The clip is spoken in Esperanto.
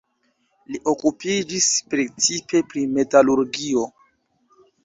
Li okupiĝis precipe pri metalurgio.